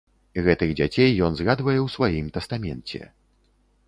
Гэтых дзяцей ён згадвае ў сваім тастаменце.